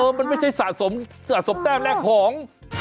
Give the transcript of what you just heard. เออมันไม่ใช่สะสมแก้วแหละของ